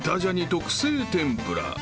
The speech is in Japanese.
特製天ぷら］